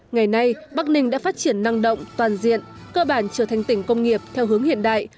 ngày nay bắc ninh đã phát triển năng động toàn diện cơ bản trở thành tỉnh công nghiệp theo hướng hiện đại